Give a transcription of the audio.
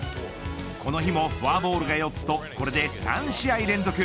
この日もフォアボールが４つとこれで３試合連続。